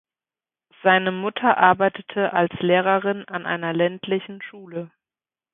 Seine Mutter arbeitete als Lehrerin an einer ländlichen Schule.